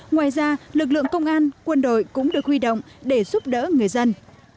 ngoài ra lực lượng công an quân đội cũng được huy động để giúp đỡ người dân